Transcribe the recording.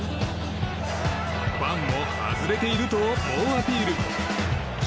ファンも外れていると猛アピール。